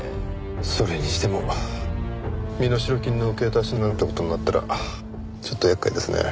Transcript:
それにしても身代金の受け渡しなんて事になったらちょっと厄介ですね。